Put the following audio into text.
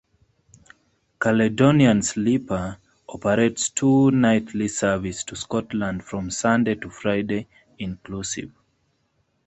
Caledonian Sleeper operates two nightly services to Scotland from Sunday to Friday inclusive.